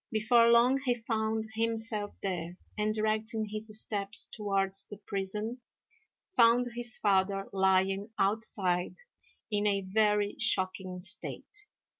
Before long he found himself there, and, directing his steps towards the prison, found his father lying outside in a very shocking state.